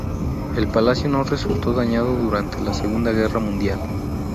El palacio no resultó dañado durante la Segunda Guerra Mundial.